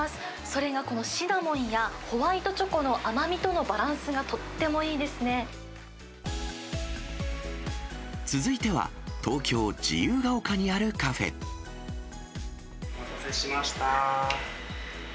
それがこのシナモンやホワイトチョコの甘みとのバランスがとって続いては、東京・自由が丘にお待たせしました。